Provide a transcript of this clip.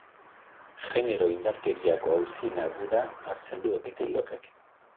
Genero-indarkeriako auzien ardura hartzen du epaitegi horrek.